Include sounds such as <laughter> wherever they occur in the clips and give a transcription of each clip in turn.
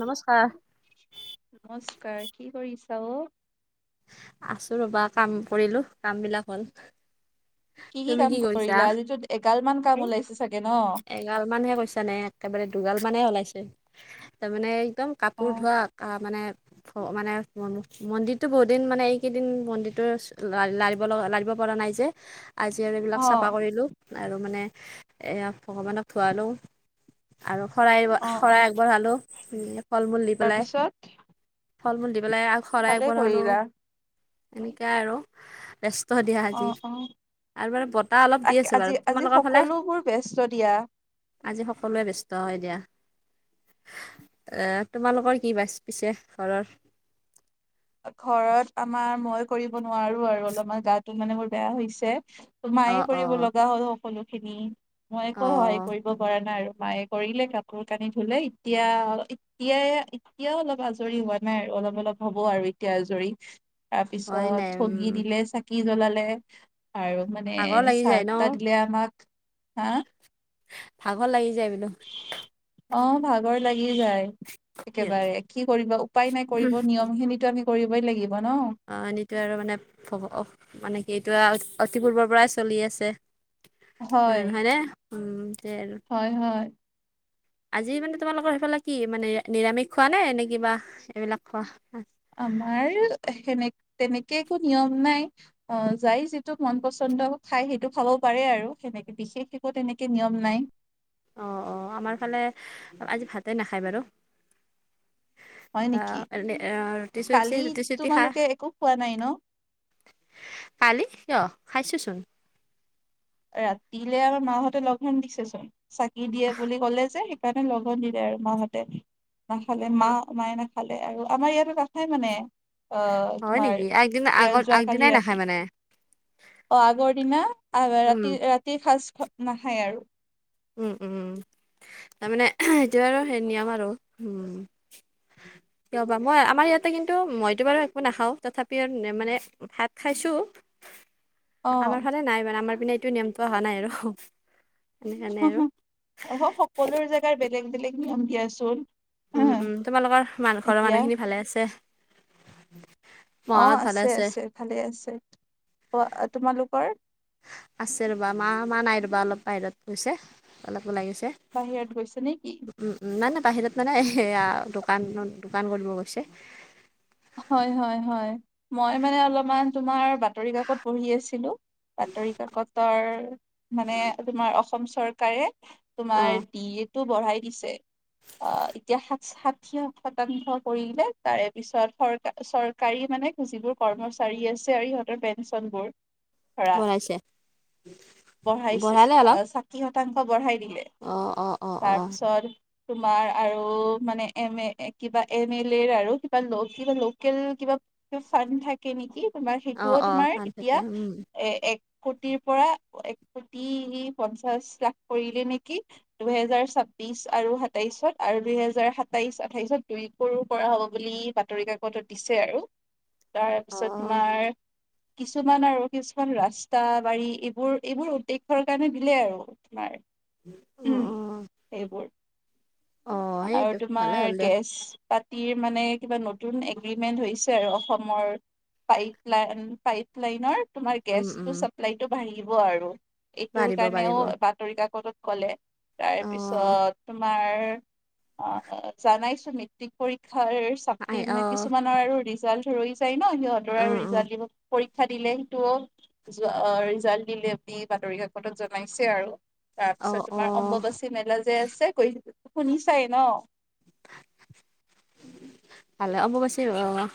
নমস্কাৰ। কাৰ কি কৰিছা অ? আছো ৰবা কাম কৰিলো কাম বিলাক হল। তুমি কাম কি কৰিছা কৰিলা আজিতো এগাল মান এ কাম ওলাইছে চাগে ন? এগাল মানহে কৈছানে? একেবাৰে দুগাল মানে ওলাইছে তাৰমানে একদম অ কাপোৰ ধোৱা মানে মানে মন্দিৰ। টো বহুত দিন মানে এইকেইদিন মন্দিৰতটো লাৰিব লাৰিব পৰা নাই যে আজি আৰু অ এইবিলাক চাফা কৰিলোঁ। আৰু মানে এয়া ভগৱানক ধুৱালো আৰু শৰাই অ শৰাই আগবঢ়ালো ফল মূল দি পেলাই তাৰপিছত ফল মূল বলে আগ শৰাই আগবঢ়ালো <unintelligible> এনেকাই আৰু ব্যস্ত দিয়া অ আজি। অ আৰু বাৰু বতাহ অলপ দি আছে আজি বাৰু আজি তোমালোকৰ ফালে। সকলোবোৰ ব্যস্ত দিয়া। আজি সকলোৱে ব্যস্ত হয় দিয়া। এ তোমালোকৰ কি বাচ পিছে ঘৰৰ। ঘৰত আমাৰ মই কৰিব নোৱাৰো আৰু অলপমান গাটোো মানে মোৰ বেয়া হৈছে। অ', মায়ে কৰিব অ', লগা হ'ল সকলো খিনি মই একো সহায় অ', কৰিব পৰা নাই আৰু। মায়ে কৰিলে কাপোৰ কানি ধুলে এতিয়া অ এতিয়াই এতিয়া অলপ আজৰি হোৱা নাই আৰু অলপ অলপ হ'ব আৰু এতিয়াৰ জৰি হয় নাই তাৰপিছত ঠগী উম, দিলে চাকি জ্বলালে আৰু মানে ভাগৰ লাগি চাহ যায় ন? তাহ দিলে আমাক হা ভাগৰ লাগি যায় কিন্তু। অ ভাগৰ লাগি যায়। কি হ'ল একেবাৰে কি কৰিব উপায় নাই কৰিব নিয়ম খিনিতো আমি কৰিবই লাগিব। ন অহ এনেতো আৰু মানে মানে কি এইটো আও অতি পূৰ্বৰ পৰাই চলি আছে। হয় হয়নে উম তে আৰু হয় হয় আজি মানে তোমালোকৰ সেইফালে কি মানে নিৰামিষ খোৱা নে নে কিবা এইবিলাক খোৱা আমাৰ সেনে তেনেকে একো নিয়ম নাই অ যাই যিটো মন পছন্দ খাই সেইটো খাব পাৰে আৰু সেনেকে বিশেষ একো তেনেকে নিয়ম নাই। অ অ আমাৰ ফালে আজি ভাতে নাখায় বাৰু হয় নেকি অহ এ ৰুটি চু কালি ৰুটি চুটি খাও তোমালোকে একো খোৱা নাই ন কালি কিয় খাইছোচোন ৰাতিলে আমাৰ মাহঁতে লগন দিছে চোন চাকি দিয়ে বুলি কলে যে সেকাৰণে লঘন দিলে আৰু মাহঁতে নাখালে অ মা মায়ে নাখালে ভালে আৰু আমাৰ ইয়াতো নাখায় মানে অহ হয় তোমাৰ নেকি আগদিনা আগত যোৱা আগদিনাই কালি নাখায় ৰাতি মানে অ আগৰ দিনা উম ৰাতি ৰাতি সাজ নাখায় আৰু উম উম উ তাৰমানে সেইটো আৰু সেই নিয়ম আৰু উম <inaudible> কিয় বা মই আমাৰ ইয়াতে কিন্তু মইতো বাৰু একো নাখাওঁ তথাপিও মানে ভাত খাইছো অ আমাৰ ফালে নাই মানে আমাৰ পিনে এইটো নিয়মটো অহা নাই আৰু সেইকাৰণে আৰু অ সকলো জেগাৰ বেলেগ বেলেগ নিয়ম দিয়াচোন উম উম তোমালোকৰ মা ঘৰৰ এতিয়া মানুহখিনি ভালে আছে। অ মাহঁত ভালে আছে আছে ভালে আছে অ তোমালোকৰ আছে ৰ'বা মা মা নাই ৰবা অলপ বাহিৰত গৈছে অলপ ওলাই গৈছে বাহিৰত গৈছে নেকি উম উম নাই নাই বাহিৰত মানে সেয়া দোকান দোকান কৰিব গৈছে। হয় হয় হয় মই মানে অলপমান তোমাৰ বাতৰি কাকত পঢ়ি আছিল বাতৰি কাকতৰ মানে তোমাৰ অস অসম চৰকাৰে অ তোমাৰ দি এইটো বঢ়াই দিছে। অ এতিয়া সাত ষাঠি শতাংশ কৰিলে তাৰে পিছত চৰ চৰকাৰী মানে যিবোৰ কৰ্মচাৰী আছে আৰু ইহঁতৰ পেঞ্চন বোৰ ধৰা বনাইছে বঢ়াইছে বনালে অলপ ষাঠি শতাংশ বঢ়াই অ অ অ অ তাৰপিছত তোমাৰ আৰু মানে এম এ কিবা এম এল এৰ আৰু কিবা লগ কিবা লোকেল কিবা ফান থাকে নেকি। তোমাৰ অ', সেইটোও অ', তোমাৰ ফান এতিয়া থাকে উম। এ এক কোটিৰ পৰা এক কোটি পঞ্চাশ লাখ কৰিলে নেকি দুহেজাৰ ছা বিশ আৰু সাতাইশত আৰু দুইহেজাৰ সাতাইশ আঠাইশত দুই কৰো কৰা হব বুলি বা তৰি কাকতত দিছে আৰু অ', তাৰপিছত তোমাৰ কিছুমান আৰু কিছুমান ৰাস্তা বাৰী এইবোৰ এইবোৰ উদ্দেশ্যৰ কাৰণে দিলে আৰু তোমাৰ অ', উম অ', সেইবোৰ অ আৰু সেইটো তোমাৰ ভালে হ'ল দিয়া গেছ পাতিৰ মানে কিবা নতুন এগ্ৰিমেন্ট হৈছে আৰু অসমৰ পাইপ লাইন পাইপ লাইনৰ তোমাৰ উম, উম, গেছটো চাপ্লাইতটো বাঢ়িব আৰু এইটোৰ বাঢ়িব কাৰণেও বাঢ়িব। বাতৰি কাকতত কলে তাৰ অ', পিছত তোমাৰ অ জানাইছো মেট্ৰিক পৰীক্ষাৰ আই চাপ্লিমেন্ত অ', কিছুমানৰ আৰু ৰিজাল্ট ৰৈ যাই ন সিহঁতৰ আৰু উম, উম, ৰিজাল্ট দিব। পৰীক্ষা দিলে সেইটোওোৱা ৰিজাল্ট দিলে আপনি বাতৰি কাকতত জনাইছে আৰু তাৰপিছত অ', তোমাৰ অ', অম্বুবাচী মেলা যে আছে কৈ শুনিছাই ন। ভালে অম্বুবাচী আহ।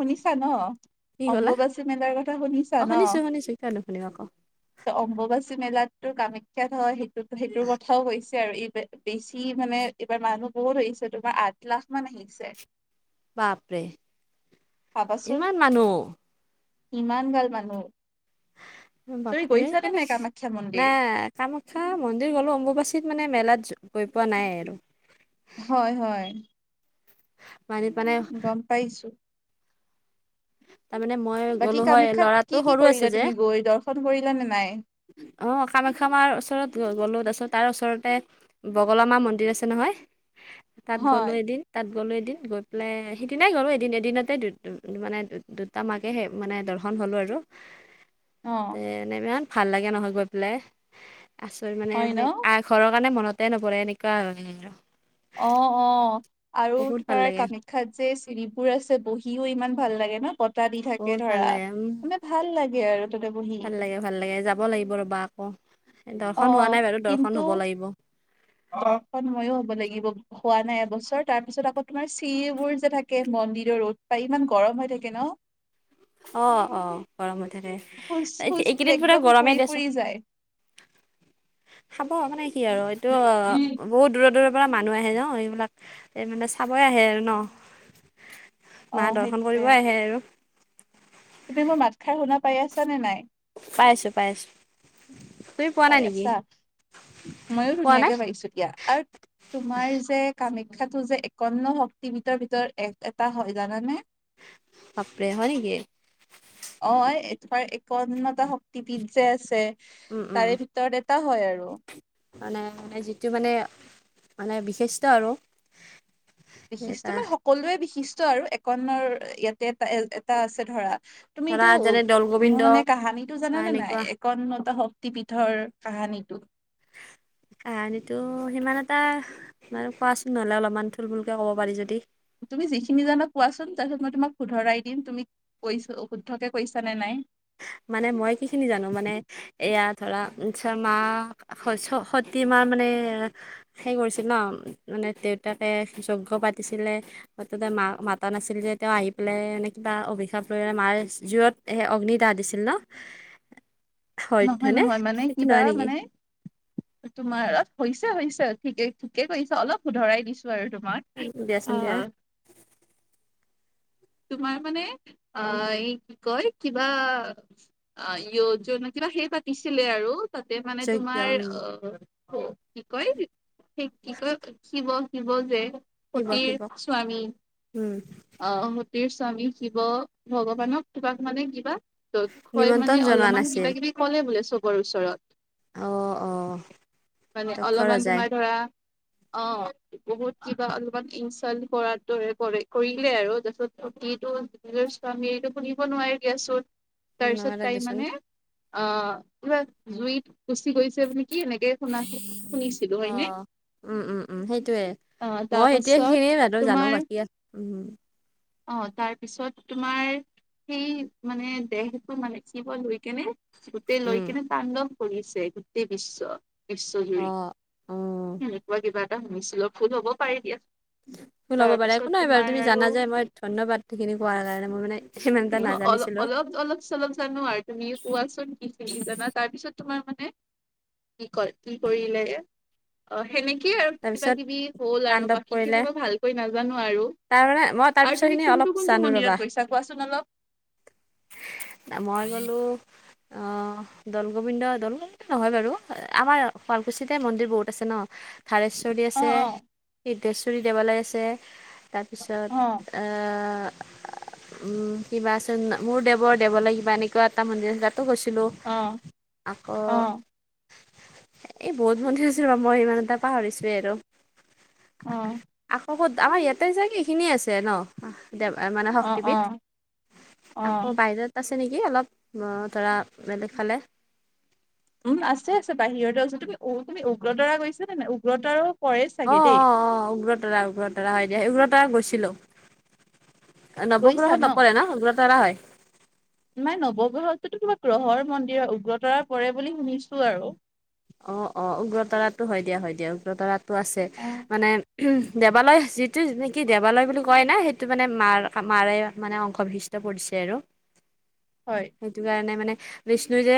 শুনিছা ন? ক'লা? অম্বুবাচী মেলাৰ কথা শুনিছা অ', ন? শুনিছো শুনিছো কিয় নুশুনিম আকৌ ত অম্বুবাচী মেলাতটো কামাখ্যাত হয় সেইটো সেইটোৰ কথাও কৈছ। আৰু এই বেছি মানে এইবাৰ মানুহ বহুত আহিছে তোমাৰ আঠ লাখ মান আহিছে। বাপৰে ভাবাচোন ইমান মানুহ। ইমান গাল মানুহ। তুমি বাপৰে গৈছানে কেনে নাই কামাখ্যা মন্দিৰ? নাই কামাখ্যা মন্দিৰ গলো অম্বুবাচীত মানে মেলাত গৈ পোৱা নাই আৰু হয় হয়। মানে মানে গম পাইছো। তাৰমানে মই বাকী গ'লো হয় কামাখ্যাত ল'ৰাটো কি কি সৰু আছে কৰিলা যে। তুমি গৈ দৰ্শন কৰিলা নে নাই? অ কামাখ্যা মাৰ ওচৰত গ'লো তাৰপিছত তাৰ ওচৰতে বগলামা মন্দিৰ আছে নহয়, তাত গ'লোঁ হয় এদিন তাত গ'লোঁ এদিন গৈ পেলাই সেইদিনাই গ'লোঁ এদিন এদিনতে দু মানে দুটা মাকে স মানে দৰ্শন হলো আৰু অ তে ইমান ভাল লাগে নহয় গৈ পেলাই তাৰপিছত মানে, হয় ন? আ ঘৰৰ কাৰণে মন তে নপৰে এনেকা অ অ আৰু ভাল তোমাৰ লাগে কামাখ্যাত যে চিৰিবোৰ আছে বহিও ইমান ভাল লাগে ন? বতাহ দি থাকে বহুত ভাল ধৰা লাগে উম মানে ভাল লাগে আৰু। তাতে বহি ভাল লাগে ভাল লাগে যাব লাগিব ৰ'বা আকৌ, অ দৰ্শন হোৱা নাই বাৰু দৰ্শন কিন্তু হব লাগিব। দৰ্শন ময়ো হ'ব লাগিব হোৱা নাই এবছৰ তাৰ পিছত আকৌ তোমাৰ চিৰিবোৰ যে থাকে ম মন্দিৰৰ ৰ'দ পাই ইমান গৰম হৈ থাকে ন? অ অ গৰম হৈ থাকে। খোজ খোজ দিলে এইকেইদিন পোৰা একদম পুৰি গৰমেই পুৰি দিয়াচোন। যায় <inaudible> অ‌ মানে কি আৰু এইটো বহুত দূৰৰ দূৰৰ পৰা মানুহ আহে ন এইবিলাক মানে চাবই আহে আৰু ন? অ মা দৰ্শন সেইটোৱে কৰিব আহে আৰু। তুমি মই মাত খাৰ শুনা পাই আছা নে নাই? পাই আছো পাই আছো। তুমি পোৱা নাই পাই নেকি? আছা ময়ো পোৱা নাই ধুনীয়াকে পাইছো দিয়া। আৰু তোমাৰ যে কামা খ্যাটো যে একাৱন্ন শক্তিপীঠৰ ভিতৰত এক এটা হয় জানানে? বাপৰে হয় নেকি? অ এই তোমাৰ একাৱন্নতা শক্তিপীঠ যে আছে। উম উম। তাৰে ভিতৰত এটা হয় আৰু মানে যিটো মানে মানে বিশিষ্ট আৰু। বিশিষ্ট এটা মানে সকলোৱে বিশিষ্ট আৰু একাৱন্নৰ ইয়াতে এটা এ এটা আছে ধৰা। ধৰা তুমিতো যেনে দৌল উ গোবিন্দ মোৰ মানে কাহানীটো বা জানানে এনেকুৱা নাই একাৱন্নতাৰ শক্ত ক্তি পীঠৰ কাহানীটো? কাহানীটো সিমান এটা বাৰু কোৱাচোন নহলে অলপমান থুল মুলকে ক'ব পাৰি যদি। তুমি যিখিনি জানা কোৱাচোন তাৰপিছত মই তোমাক শুধৰাই দিম তুমি কৈছ শুদ্ধকে কৈছা নে নাই। মানে মই কি খিনি জানো মানে এয়া ধৰা মাঁ সতী মাঁ মানে হেৰি কৰিছিল ন মানে দেউতাকে যজ্ঞ পাতিছিলে মা মাতা নাছিল যে তেওঁ আহি পেলাই এনে কিবা অভিশাপ লৈ মাই জুইত অগ্নি দাহ দিছি ল নহ। নহয় নহয় মানে কিবা মানে তোমাৰ হৈ হৈছে ঠিকে ঠিকে কৈছা। অলপ শুধৰাই দিছোঁ। আৰু তোমাক। অ দিয়াচোন দিয়া তোমাৰ মানে অ এই কি কয় কিবা কিবা সেই পাতিছিলে আৰু তাতে মানে যজ্ঞ তোমাৰ উম অ কি কয় সেই কি কয় শিৱ শিৱ যে শিৱ শিৱক সতীৰ স্বামী উম আ স তীৰ স্বামী শিৱ ভগৱানক তোমাক মানে কিবা দক্ষ্যয় মানে নিমন্ত্ৰণ জনোৱা অলপমান কিবা নাছিল কিবি ক'লে বোলে চবৰ ওচৰত। অ অ মানে দক্ষ অলপমান ৰজাই তোমাৰ ধৰা অ বহুত কিবা অলপমান ইনচালট কৰাৰ দৰে কৰিলে আৰু তাৰপাছত সতীটো নিজৰ স্বামীৰটো শুনিব নোৱাৰিলে দিয়াচোন। তাৰপিছত নগলে তাই দেচোন মানে অ পুৰা জুইত গুচি গৈছে বুলি কি এনেকে শুনা শুনিছিলো অ হয় নে? উম উম উম সেইটোয়ে, মই পাছত এতিয়াসেইখিনিয়ে মাত্ৰ জানো তোমাৰ বাকি অ তাৰপিছত তোমাৰ সেই মানে দেহটো মানে জীৱ লৈ কেনে গোটেই লৈ উম। কিনে তাণ্ডৱ কৰিছে গোটেই বিশ্ব অ বিশ্বজুৰি অ এনেকুৱা কিবা এটা শুনিছিলো ভুল হব পাৰে দিয়া ভুল হ'ব তাৰ পাৰে পিছত একো নাই বাৰু তোমাৰ তুমি আৰু জানা যে মই ধন্যবাদ সেইখিনি কোৱাৰ কাৰণে মই মানে সিমান এটা ন অলপ নাজানিছিলোঁ অলপ অলপ চলপ জানো আৰু তুমি কোৱাচোন কি চিনি জানা তাৰপিছত তোমাৰ মানে কি কয় কি কৰিলে এ অ সেনেকেই আৰু কিবা তাৰপিছত কিবি হ'ল আৰু তাণ্ডৱ বাকীখিনি ভালকৈ নাজানো আৰু তাৰনানে মই আৰু তাৰপিছৰ তুমি খিনি অলপ কোনটো কোনটো জানো মন্দিৰত ৰ'বা গৈছা কোৱাচোন অলপ মই গলো। অ দল গোবিন্দ দল গোবিন্দ নহয় বাৰু আমাৰ শুৱালকুছিতে মন্দিৰ বহুতে আছে ন ধাৰেশ্বৰি অ আছে অ সিদ্ধেশ্বৰি দেৱালয় আছে। অ তাৰপিছত আ উম কিবাচোন মোৰ দেৱৰ দেৱলৈ কিবা এনেকুৱা এটা মন্দিৰ আছে তাত গৈছিলোঁ অ আকৌ অ এই বহুত মন্দিৰ আছিল ৰবা মই ইমান এটা পাহৰিছোৱেই আৰু অ আকৌ ক'ত আমাৰ ইয়াতে চাগে এইখিনিয়ে আছে ন। মানে অ অ শক্তিপীঠ অ আকৌ বাহিৰত আছে। অলপ ধৰা বেলেগ ফালে। উম আছে আছে বাহিৰতে আছো তুমি তুমি উগ্ৰতৰা গৈছ নে নে উগ্ৰতাৰাও। অ অ অ উগ্ৰতৰা উগ্ৰতৰা হয় দে উগ্ৰতৰা গৈছিলো। নৱগ্ৰহত নপৰে ন উগ্ৰতাৰা হয়। নাই নৱগ্ৰহটোতো কিবা গ্ৰহৰ মন্দিৰ উগ্ৰতৰা পৰে বুলি শুনিছো আৰু অ অ উগ্ৰতাৰাটো হয় দিয়া হয় দিয়া উগ্ৰতাৰো আছে অ মানে দেৱালয় যিটো নেকি দেৱালয় বুলি কয় ন সেইটো মানে মাৰ মাৰে মানে অংশভিষ্টা। পৰিছে আৰু <inaudible> সেইটো কাৰণে মানে বিষ্ণু যে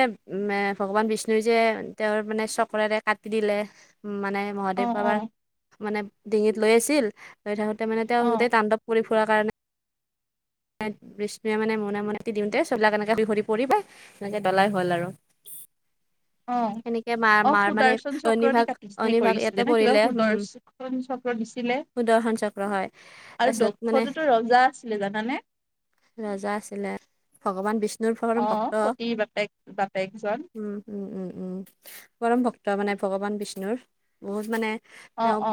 ভগৱান বিষ্ণুৰ যে তেওঁৰ মানে চকৰেৰে কাটি দিলে মানে অ মহাদেৱ অ বাবাৰ মানে ডিঙিত লৈ আছিল লৈ থাকোঁতে মানে অ তেওঁ গোটেই তাণ্ডৱ কৰি ফুৰা কাৰণে বিষ্ণুৱে মানে মনে মনে দিওঁতে চোলাক এনেকে বিহৰি পৰিবা এনেকে ডলাই হল আৰু <inaudible> অ সেনেকে মাৰ অ মাৰ মানে সুদৰ্শন চক্ৰ দি অগ্নিভাগ কাটিছেে অগ্নিভাগ ইয়াতে কৰিছিলে ন কিবা পৰিলে উম সুদৰ্শন চক্ৰ ছিলে সুদৰ্শন চক্ৰ হয় আৰু তাৰপিছত মানে দক্ষতাতো ৰজা আছিলে জানা ৰজা আছিলে ভগৱান বিষ্ণু ৰ অ পৰম ভক্ত সতীৰ বাপেক বাপেকজন পৰম ভক্ত ত মানে ভগৱান বিষ্ণুৰ বহুত মানে অ তেওঁ অ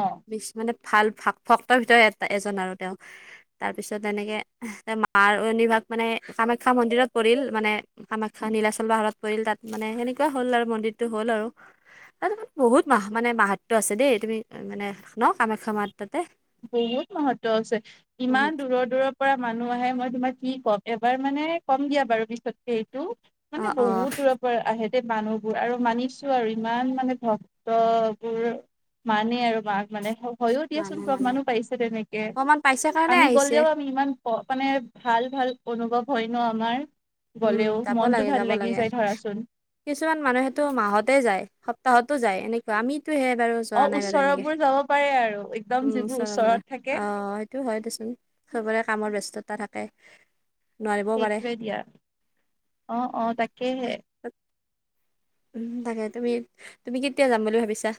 মানে ভাল ভক্তৰ ভিতৰত এ এজন আৰু তেওঁ তাৰ পিছত তেনেকে মাৰ নিভাগ মানে কামাখ্যা মন্দিৰত পৰিল মানে কামাখ্যা নীলাচল পাহাৰত পৰিল তাত মানে সেনেকুৱা হ'ল আৰু মন্দিৰটো হ'ল আৰু ত বহুত মাহ মানে মাহাত্ব আছে দেই তুমি মানে ন কামাখ্যা মা বহুত মহত্ব আছে ইমান বহুত দূৰৰ দূৰৰ পৰা মানুহ আহে মই তোমাক কি ক'ম এবাৰ মানে কম দিয়া বাৰু পিছতকে এইটো অ মানে অ বহুত দূৰৰ দূৰৰ পৰা আহে মানুহবোৰ আৰু মানিছো আৰু ইমান মানে ভক্ত বোৰ মানে আৰু মাক মানে হয়ো মানে দিয়াচোন মানে প্ৰমাণো পাইছে তেনেকে অকমান পাইছে কাৰণে আমি আহিছে গ'লেও আমি ইমান মানে ভাল ভাল অনুভৱ হয় ন আমাৰ উম গ'লেও যাব মনটো লাগে ভাল যাব লাগি লাগে যায় ধৰাচোন কিছুমান মানুহে মাহতে যায় সপ্তাহত তো যায় এনেকুৱা আমি টো হে বাৰু অ যোৱা নাই বাৰু এনেকে ওচৰবোৰ যাব পাৰে আৰু একদম উম যিবোৰ ওচৰৰ পৰা ওচৰত থাকে সেইটো হয় দেচোন সবৰে কামৰ ব্যস্ততা থাকে, নোৱাৰিবও পাৰে। সেইটোৱে দিয়া অ, অ, তাকেহে। উম, তাকে তুমি, তুমি কেতিয়া যাম বুলি ভাবিছা।